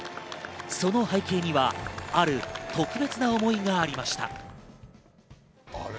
その背景にはある特別な思いがありました。